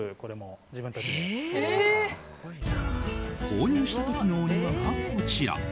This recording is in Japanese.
購入した時のお庭がこちら。